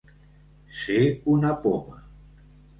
Ser una poma.